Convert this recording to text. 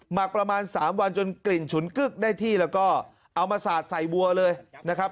ักประมาณ๓วันจนกลิ่นฉุนกึ๊กได้ที่แล้วก็เอามาสาดใส่วัวเลยนะครับ